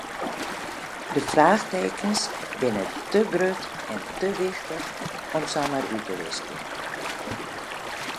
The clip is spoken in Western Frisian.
De fraachtekens binne te grut en te wichtich om samar út te wiskjen.